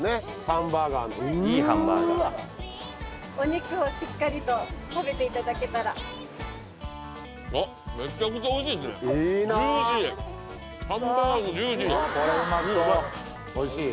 ハンバーガーのうーわっお肉をしっかりと食べていただけたらいいなあおいしい？